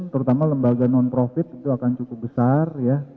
terutama lembaga non profit akan cukup besar